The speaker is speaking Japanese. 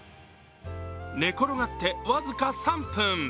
寝転がって僅か３分。